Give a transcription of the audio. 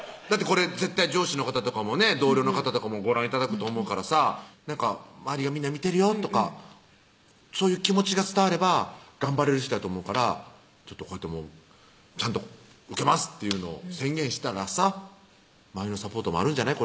これ絶対上司の方とかもね同僚の方とかもご覧頂くと思うからさ「周りがみんな見てるよ」とかそういう気持ちが伝われば頑張れる人やと思うからこうやって「ちゃんと受けます」というのを宣言したらさ周りのサポートもあるんじゃない？